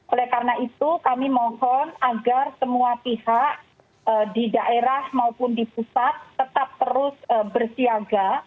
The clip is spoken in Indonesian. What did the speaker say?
oleh karena itu kami mohon agar semua pihak di daerah maupun di pusat tetap terus bersiaga